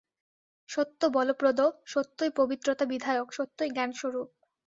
সত্য বলপ্রদ, সত্যই পবিত্রতা-বিধায়ক, সত্যই জ্ঞানস্বরূপ।